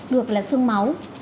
được là sương máu